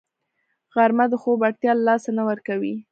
غرمه د خوب اړتیا له لاسه نه ورکوي